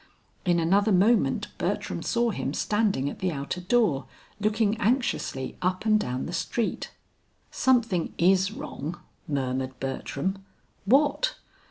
In another moment Bertram saw him standing at the outer door, looking anxiously up and down the street. "Something is wrong," murmured Bertram. "What?"